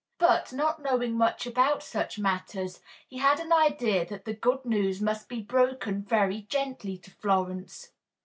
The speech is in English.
But, not knowing much about such matters, he had an idea that the good news must be broken very gently to Florence.